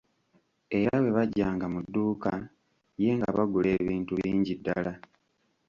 Era bwe bajjanga mu dduuka ye nga bagula ebintu bingi ddala.